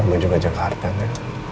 lama juga jangka hartanya